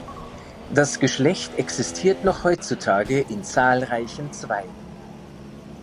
Das Geschlecht existiert noch heutzutage in zahlreichen Zweigen.